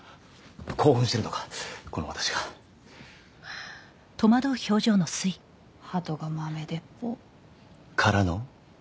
興奮してるのかこの私がハトが豆鉄砲からの？